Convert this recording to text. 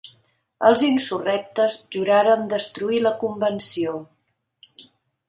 Els insurrectes juraren destruir La Convenció.